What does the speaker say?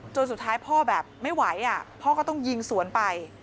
สุดท้ายพ่อแบบไม่ไหวพ่อก็ต้องยิงสวนไป